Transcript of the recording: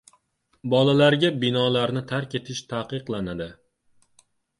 Bolalarga binolarni tark etish taqiqlanadi